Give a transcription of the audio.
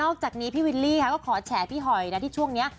นอกจากนี้พี่วิลลี่ขอแฉพี่หอยที่ทั้งนี้